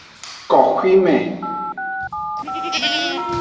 Koxwime.